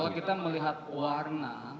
kalau kita melihat warna